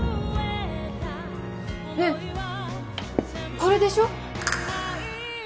ねえこれでしょ？